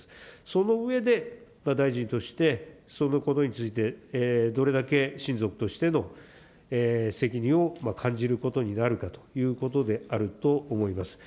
その上で大臣としてそのことについてどれだけ親族としての責任を感じることになるかということであると思います。